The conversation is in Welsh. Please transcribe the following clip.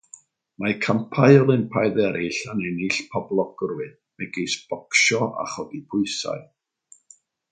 Mae campau Olympaidd eraill hefyd yn ennill poblogrwydd, megis bocsio a chodi pwysau.